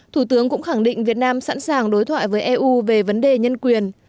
thủ tướng cũng khẳng định việt nam sẵn sàng đối thoại với eu về vấn đề nhân quyền